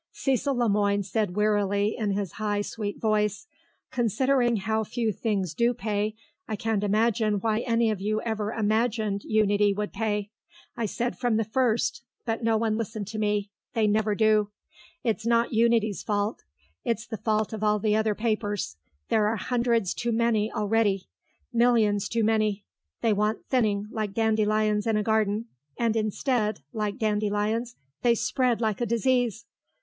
Cecil Le Moine said wearily in his high sweet voice, "Considering how few things do pay, I can't imagine why any of you ever imagined Unity would pay. I said from the first ... but no one listened to me; they never do. It's not Unity's fault; it's the fault of all the other papers. There are hundreds too many already; millions too many. They want thinning, like dandelions in a garden, and instead, like dandelions, they spread like a disease.